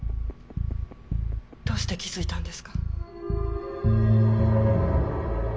どうして気付いたんですか？